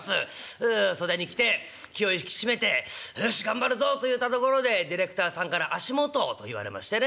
袖に来て気を引き締めて「よし頑張るぞ」といったところでディレクターさんから「足元」と言われましてね